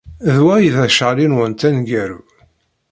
D wa ay d acaɣli-nwent aneggaru.